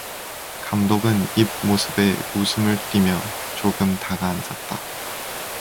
감독은 입 모습에 웃음을 띠며 조금 다가앉았다.